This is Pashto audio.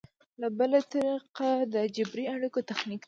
بله طریقه د جبري اړیکو تخنیک دی.